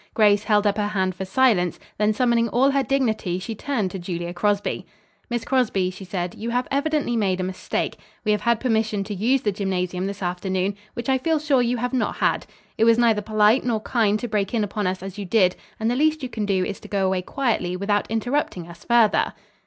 Grace held up her hand for silence, then summoning all her dignity she turned to Julia Crosby. "Miss Crosby," she said, "you have evidently made a mistake. We have had permission to use the gymnasium this afternoon, which I feel sure you have not had. It was neither polite nor kind to break in upon us as you did, and the least you can do is to go away quietly without interrupting us further."